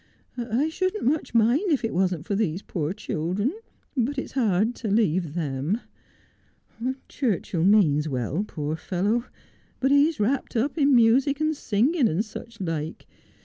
I shouldn't much mind if it wasn't for these poor children ; but it's hard to leave them. Churchill means well, poor fellow ; but he's wrapt up in music, and singing, and such like.